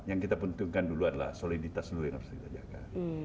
yang kita pentingkan dulu adalah soliditas seluruh nassim sajjaka